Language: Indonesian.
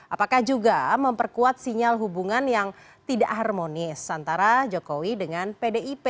apakah juga memperkuat sinyal hubungan yang tidak harmonis antara jokowi dengan pdip